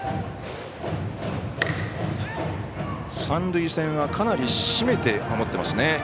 三塁線は、かなり締めて守っていますね。